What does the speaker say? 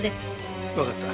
わかった。